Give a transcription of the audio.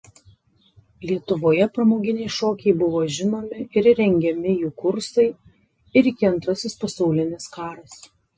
Lietuvoje pramoginiai šokiai buvo žinomi ir rengiami jų kursai ir iki Antrasis pasaulinis karas.